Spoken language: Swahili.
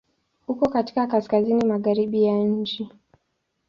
Uko katika Kaskazini magharibi ya nchi.